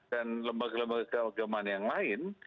dan lembaga lembaga keagamaan yang lain